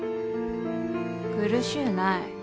苦しうない。